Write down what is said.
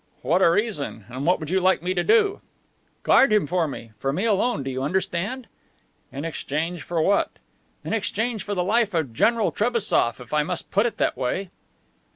"What a reason! And what would you like me to do?" "Guard him for me; for me alone, do you understand?" "In exchange for what?" "In exchange for the life of General Trebassof, if I must put it that way."